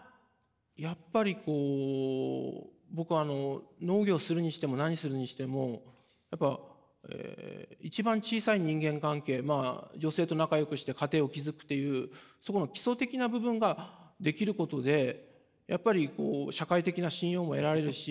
やっぱり僕農業するにしても何するにしてもやっぱ一番小さい人間関係女性と仲よくして家庭を築くっていうそこの基礎的な部分ができることでやっぱり社会的な信用も得られるし。